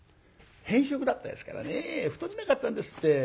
偏食だったですからね太れなかったんですって。